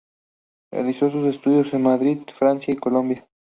Realizó sus estudios en Madrid, Francia y Colombia.